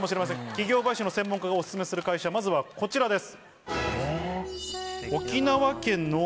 企業買収の専門家がお薦めする会社まずはこちらです。